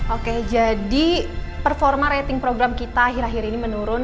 oke jadi performa rating program kita akhir akhir ini menurun